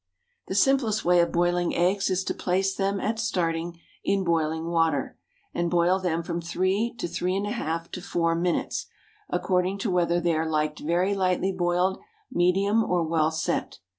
The simplest way of boiling eggs is to place them at starting in boiling water, and boil them from three to three and a half to four minutes, according to whether they are liked very lightly boiled, medium, or well set.